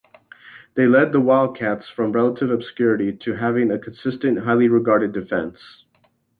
They led the Wildcats from relative obscurity to having a consistent, highly regarded defense.